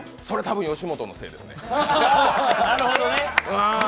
それは多分、吉本のせいですね。